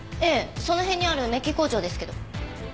その辺にあるメッキ工場ですけど。